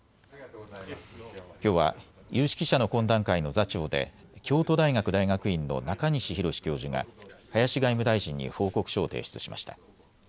きょうは有識者の懇談会の座長で京都大学大学院の中西寛教授が林外務大臣に報告書を提出しました。